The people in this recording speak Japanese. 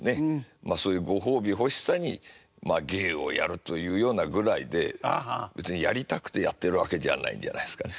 まあそういうご褒美欲しさに芸をやるというようなぐらいで別にやりたくてやってるわけじゃないんじゃないですかね。